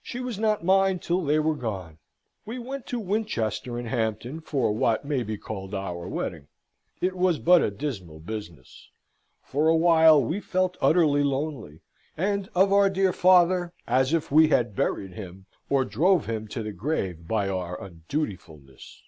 She was not mine till they were gone. We went to Winchester and Hampton for what may be called our wedding. It was but a dismal business. For a while we felt utterly lonely: and of our dear father as if we had buried him, or drove him to the grave by our undutifulness.